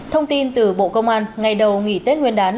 thông tin từ bộ công an ngày đầu nghỉ tết nguyên đán